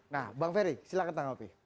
nah bang ferry silahkan tanggapi